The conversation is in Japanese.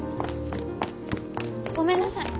ごめんなさい。